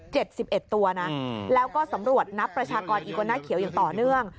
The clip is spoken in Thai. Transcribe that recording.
สิบเอ็ดตัวนะอืมแล้วก็สำรวจนับประชากรอีโกน่าเขียวอย่างต่อเนื่อง